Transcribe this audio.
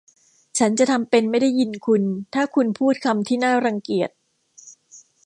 ฉันจะทำเป็นไม่ได้ยินคุณถ้าคุณพูดคำที่น่ารังเกียจ